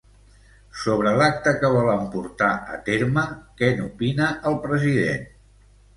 Sobre l'acte que volen portar a terme, què n'opina el president?